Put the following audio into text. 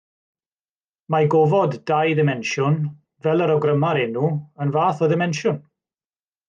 Mae gofod dau ddimensiwn, fel yr awgryma'r enw, yn fath o ddimensiwn.